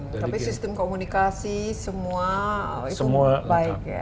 tapi sistem komunikasi semua itu baik ya